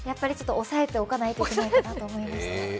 おさえておかないといけないなと思いまして。